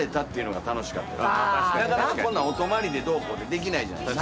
なかなかこんなんお泊まりでどうこうできないじゃないですか。